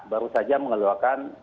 baru saja mengeluarkan